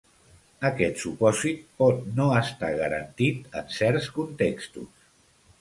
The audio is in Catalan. Aquest supòsit pot no estar garantit en certs contextos.